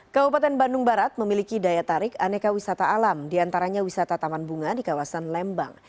kabupaten bandung barat memiliki daya tarik aneka wisata alam diantaranya wisata taman bunga di kawasan lembang